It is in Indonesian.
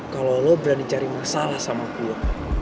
kalau lo berani cari masalah sama gue